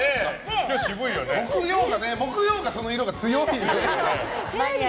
木曜が、その色が強いのよね。